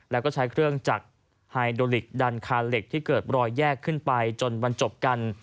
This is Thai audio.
แล้วก็ใช้เครื่องจักรไฮโดลิกดันคาเหล็กที่เกิดรอยแยกขึ้นไปจนวันจบกัน